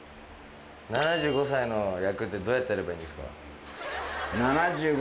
７５歳の役ってどうやってやればいいですか？